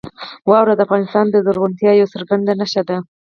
واوره د افغانستان د زرغونتیا یوه څرګنده نښه ده.